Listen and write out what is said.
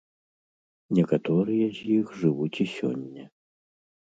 Некаторыя з іх жывуць і сёння.